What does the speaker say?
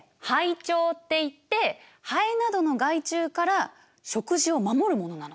蠅帳っていってハエなどの害虫から食事を守るものなの。